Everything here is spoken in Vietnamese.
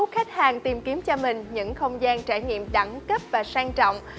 khách hàng tìm kiếm cho mình những không gian trải nghiệm đẳng cấp và sang trọng